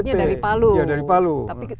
kita tadi masuknya dari palu